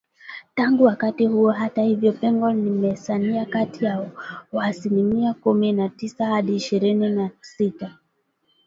Tangu wakati huo, hata hivyo, pengo limesalia kati ya asilimia kumi na tisa hadi isihirini na sita